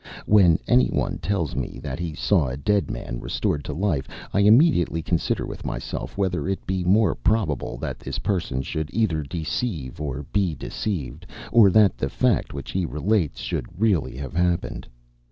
When any one tells me that he saw a dead man restored to life, I immediately consider with myself whether it be more probable that this person should either deceive or be deceived, or that the fact which he relates should really have happened.